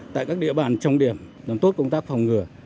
tại các địa bàn trọng điểm làm tốt công tác phòng ngừa